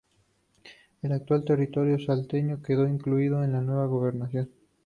El actual territorio salteño quedó incluido en la nueva gobernación.